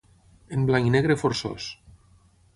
En blanc-i-negre forçós.